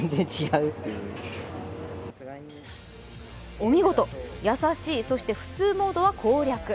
お見事、やさしい、そしてふつうモードは攻略。